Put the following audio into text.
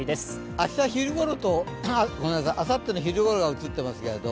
明日昼ごろとあさっての昼ごろが映ってますけど